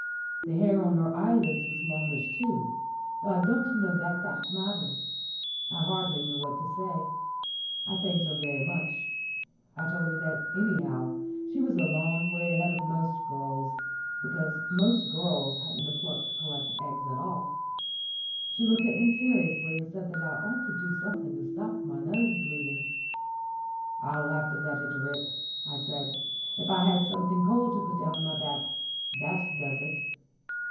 The hair on her eyelids was longish, too, though I don't know that that matters. I hardly knew what to say. I thanked her very much. I told her that, anyhow, she was a long way ahead of most girls, because most girls haven't the pluck to collect eggs at all. She looked at me seriously, and said that I ought to do something to stop my nose bleeding. "I'll have to let it rip," I said. "If I had something cold to put down my back, that does it."